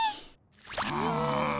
うん。